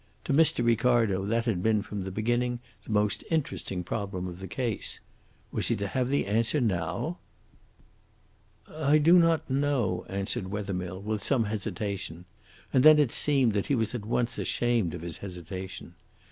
To Mr. Ricardo that had been from the beginning the most interesting problem of the case. Was he to have the answer now? "I do not know," answered Wethermill, with some hesitation, and then it seemed that he was at once ashamed of his hesitation.